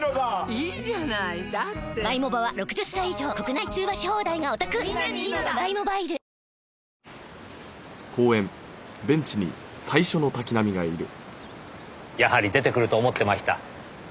いいじゃないだってやはり出てくると思ってました。